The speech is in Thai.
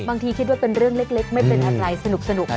คิดว่าเป็นเรื่องเล็กไม่เป็นอะไรสนุก